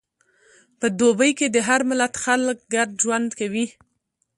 په دوبی کې د هر ملت خلک ګډ ژوند کوي.